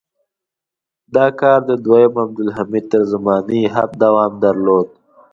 دا کار د دویم عبدالحمید تر زمانې یې هم دوام درلود.